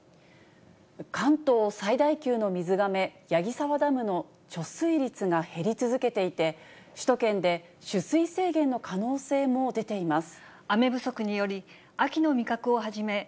関東最大級の水がめ、矢木沢ダムの貯水率が減り続けていて、首都圏で取水制限の可能性も出ています。